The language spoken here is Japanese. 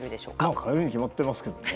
変えるに決まってますけどね。